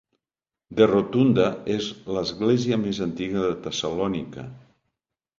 The Rotunda és l'església més antiga de Tessalònica.